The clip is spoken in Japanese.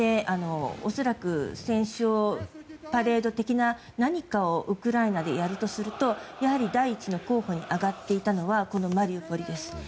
恐らく、戦勝パレード的な何かをウクライナでやるとするとやはり第１の候補に挙がっていたのはこのマリウポリです。